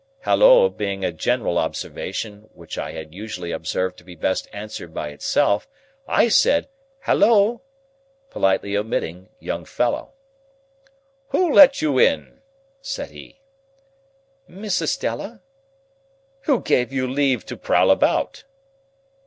Halloa being a general observation which I had usually observed to be best answered by itself, I said, "Halloa!" politely omitting young fellow. "Who let you in?" said he. "Miss Estella." "Who gave you leave to prowl about?"